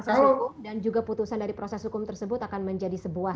proses hukum dan juga putusan dari proses hukum tersebut akan menjadi sebuah